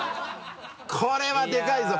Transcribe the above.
これはでかいぞ！